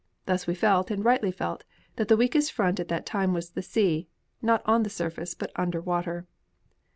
Thus we felt, and rightly felt, that the weakest front at that time was the sea not on the surface, but under water.